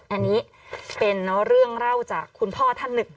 อันนี้เป็นเรื่องเล่าจากคุณพ่อท่านหนึ่ง